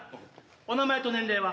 お名前と年齢は？